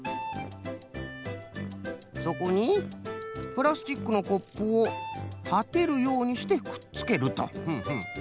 そこにプラスチックのコップをたてるようにしてくっつけると。